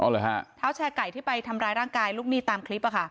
อ๋อเลยค่ะเท้าแชร์ไก่ที่ไปทำร้ายร่างกายลูกหนี้ตามคลิปป่ะค่ะ